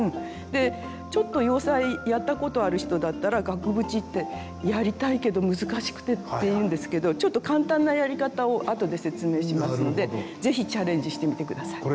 でちょっと洋裁やったことある人だったら「額縁ってやりたいけど難しくて」って言うんですけど簡単なやり方をあとで説明しますので是非チャレンジしてみて下さい。